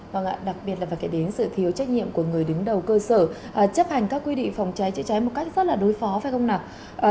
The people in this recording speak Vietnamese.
vâng ạ đặc biệt là phải kể đến sự thiếu trách nhiệm của người đứng đầu cơ sở chấp hành các quy định phòng cháy chữa cháy một cách rất là đối phó phải không nả